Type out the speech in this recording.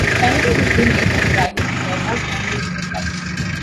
Kennedy was delayed on the drive to the airport and missed the flight.